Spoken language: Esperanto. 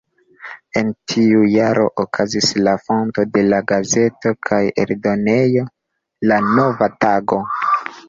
En tiu jaro okazis la fondo de la gazeto kaj eldonejo "La Nova Tago".